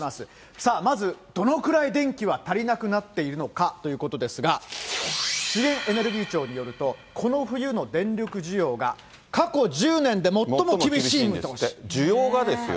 さあまず、どのくらい電気が足りなくなっているのかということですが、資源エネルギー庁によると、この冬の電力需要が、需要がですよ。